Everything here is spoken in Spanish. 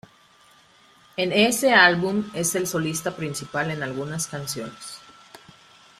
En ese álbum es el solista principal en algunas canciones.